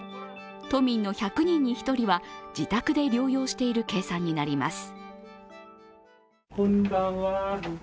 都民の１００人に１人は自宅で療養している計算になります。